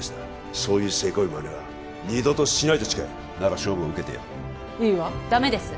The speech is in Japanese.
そういうセコイまねは二度としないと誓えなら勝負を受けてやるいいわダメです